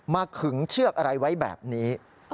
ขึงเชือกอะไรไว้แบบนี้